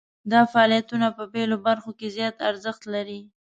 دا فعالیتونه په بیلو برخو کې زیات ارزښت لري.